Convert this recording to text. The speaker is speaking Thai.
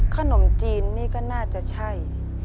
ขนมจีนนี่ก็น่าจะใช่